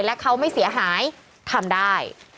และเขาไม่เสียหายทำได้